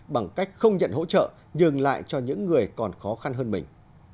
bằng cách không nhận hỗ trợ nhường lại cho những người còn khó khăn hơn mình